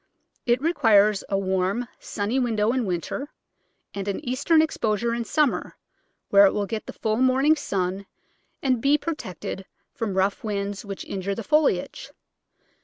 It requires a warm, sunny window in winter, and an eastern exposure in summer, where it will get the full morning sun and be protected from rough winds which injure the foliage.